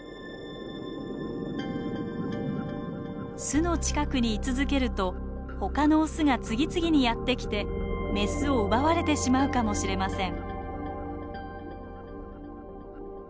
巣の近くに居続けると他のオスが次々にやってきてメスを奪われてしまうかもしれません。